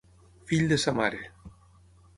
Fill de sa mare.